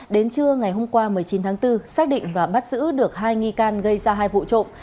đến trưa ngày hôm qua một mươi chín tháng bốn xác định và bắt giữ được hai nghi can gây ra hai vụ trộm